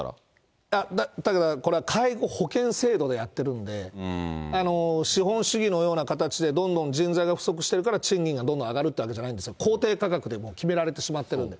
だから、これは介護保険制度でやってるんで、資本主義のような形でどんどん人材が不足してるから、賃金がどんどん上がるっていうわけじゃないんですよ、公定価格で決められてしまってるので。